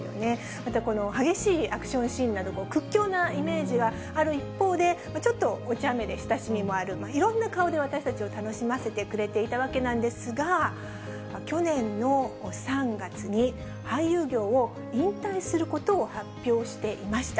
また、この激しいアクションシーンなど、屈強なイメージがある一方で、ちょっとおちゃめで親しみもある、いろんな顔で私たちを楽しませてくれていたわけなんです、去年の３月に、俳優業を引退することを発表していました。